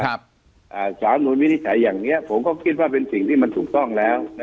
ครับอ่าสารนวลวินิจฉัยอย่างเนี้ยผมก็คิดว่าเป็นสิ่งที่มันถูกต้องแล้วนะฮะ